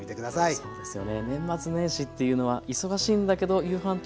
そうですね。